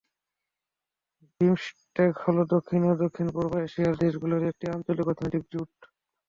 BIMSTEC হলো দক্ষিণ ও দক্ষিণ পূর্ব এশিয়ার দেশগুলোর একটি আঞ্চলিক অর্থনৈতিক জোট।